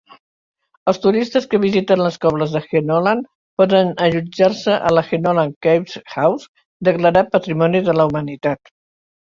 Els turistes que visiten les coves de Jenolan poden allotjar-se a la Jenolan caves house, declarat patrimoni de la humanitat.